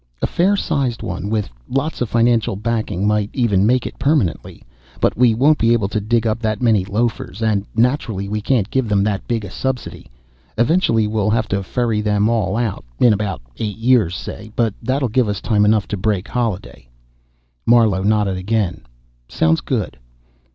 "A fair sized one, with lots of financial backing, might even make it permanently. But we won't be able to dig up that many loafers, and, naturally, we can't give them that big a subsidy. Eventually, we'll have to ferry them all out in about eight years, say. But that'll give us time enough to break Holliday." Marlowe nodded again. "Sounds good."